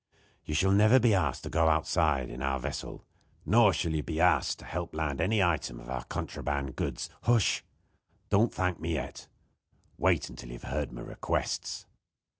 You shall never be asked to go outside in our vessel; nor shall you be asked to help land any item of our contraband goods Hush! Don't thank me yet. Wait until you have heard my requests.